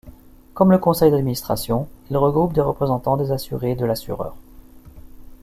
Comme le conseil d’administration, ils regroupent des représentants des assurés et de l’assureur.